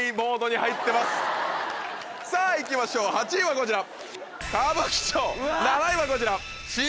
さぁ行きましょう８位はこちら。